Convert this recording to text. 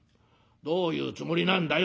どういうつもりなんだよ」。